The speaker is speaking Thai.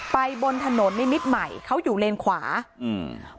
ไปบนถนนในมิดใหม่เขาอยู่เลนควาอืม